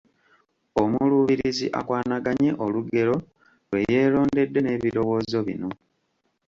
Omuluubirizi akwanaganye olugero lwe yeerondedde n’ebirowoozo bino